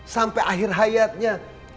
sampai akhir hayatnya